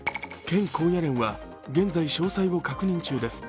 県高野連は、現在詳細を確認中です